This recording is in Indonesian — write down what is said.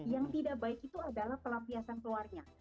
yang tidak baik itu adalah pelampiasan keluarnya